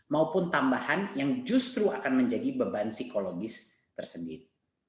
maupun tambahan yang justru akan menjadi beban psikologis tersebut